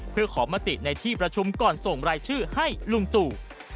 เพื่อขอมติในที่ประชุมก่อนส่งรายชื่อให้ลุงตู่